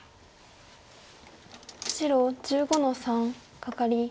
白１５の三カカリ。